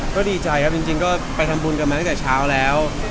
ก็ดีใจครับจริงก็ไปทำบุญกันมาตั้งแต่เช้าแล้ว